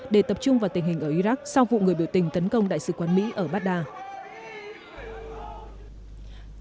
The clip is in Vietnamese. để tập trung vào tình hình ở iraq sau vụ người biểu tình tấn công đại sứ quán mỹ ở baghdad